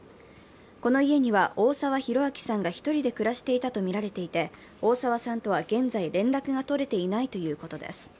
この家には大沢広明さんが１人で暮らしていたとみられていて大沢さんとは現在、連絡が取れていないということです。